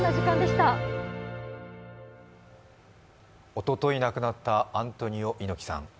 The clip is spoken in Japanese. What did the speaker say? おととい亡くなったアントニオ猪木さん。